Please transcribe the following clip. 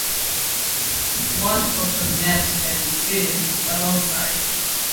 One of the maps can be seen alongside.